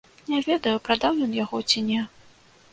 Не ведаю, прадаў ён яго ці не.